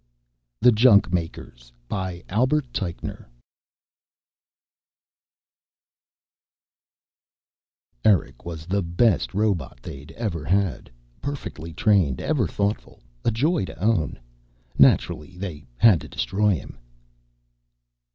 THE JUNKMAKERS BY ALBERT TEICHNER ERIC WAS THE BEST ROBOT THEY'D EVER HAD PERFECTLY TRAINED, EVER THOUGHTFUL, A JOY TO OWN. NATURALLY THEY HAD TO DESTROY HIM!